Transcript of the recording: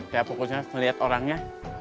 saya fokusnya melihat orangnya